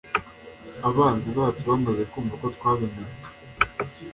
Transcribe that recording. abanzi bacu bamaze kumva ko twabimenye